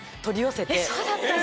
そうだったんだ。